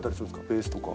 ベースとか。